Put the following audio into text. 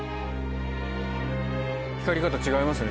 光り方違いますよね